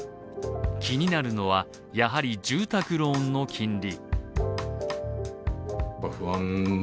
気になるのは、やはり住宅ローンの金利。